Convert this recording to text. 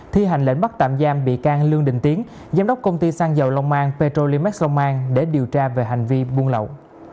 thi hành lệnh bắt tạm giam bị can lương đình tiến giám đốc công ty xăng dầu long an petrolimax roman để điều tra về hành vi buôn lậu